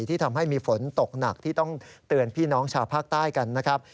ที่ทำให้มีฝนตกหนักที่ต้องเตือนพี่น้องชาวภาคใต้กันนะครับ